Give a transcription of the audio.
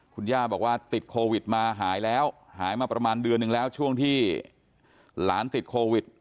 คุณย่าบอกว่าติดโควิดมาหายแล้วหายมาประมาณเดือนหนึ่งแล้วช่วงที่หลานติดโควิด